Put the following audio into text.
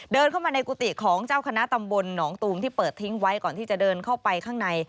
เดินเข้ามาในกุฏิของเจ้าคณะตำบลหนองตูมที่เปิดทิ้งไว้ก่อนที่จะเดินเข้าไปข้างใน